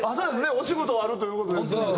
お仕事あるという事ですので。